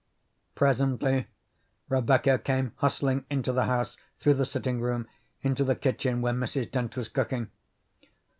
Presently Rebecca came hustling into the house through the sitting room, into the kitchen where Mrs. Dent was cooking.